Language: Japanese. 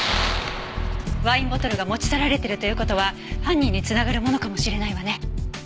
ワインボトルが持ち去られているという事は犯人につながるものかもしれないわね。